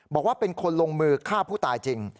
บอกว่าเป็นคนลงมือฆ่าผู้ตายจริง